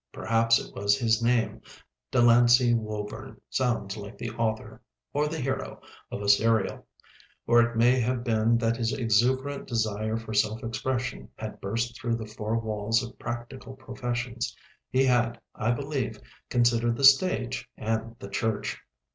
Perhaps it was his name Delancey Woburn sounds like the author or the hero of a serial. Or it may have been that his exuberant desire for self expression had burst through the four walls of practical professions. He had, I believe, considered the stage and the church.